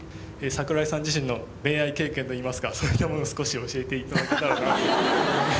桜井さん自身の恋愛経験といいますかそういったものを少し教えていただけたらなと。